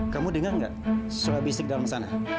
kamu dengar nggak soal bisik dalam sana